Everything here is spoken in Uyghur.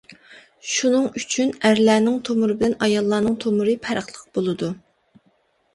شۇنىڭ ئۈچۈن، ئەرلەرنىڭ تومۇرى بىلەن ئاياللارنىڭ تومۇرى پەرقلىق بولىدۇ.